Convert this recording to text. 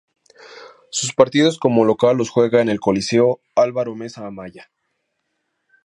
Sus partidos como local los juega en el Coliseo Álvaro Mesa Amaya.